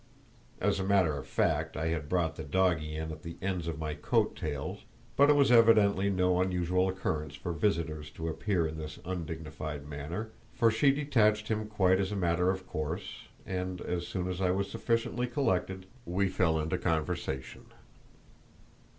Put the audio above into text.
As a matter of fact, I had brought the doggie in at the ends of my coat tails; but it was evidently no unusual occurrence for visitors to appear in this undignified manner, for she detached him quite as a matter of course, and as soon as I was sufficiently collected we fell into conversation.